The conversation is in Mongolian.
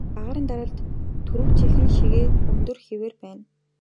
Агаарын даралт түрүүчийнх шигээ өндөр хэвээрээ байна.